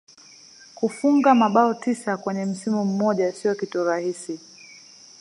kufunga mabao tisa kwenye msimu mmoja sio kitu rahisi